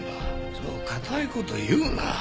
そう堅い事言うな。